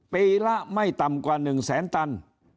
ปีละไม่ต่ำกว่า๑แสนตัน